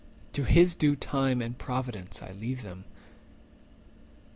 To his due time and providence I leave them."